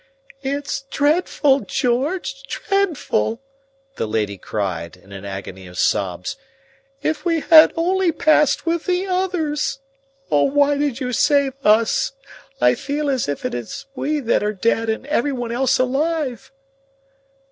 "It's dreadful, George, dreadful!" the lady cried in an agony of sobs. "If we had only passed with the others! Oh, why did you save us? I feel as if it is we that are dead and everyone else alive."